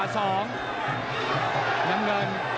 นังเงิน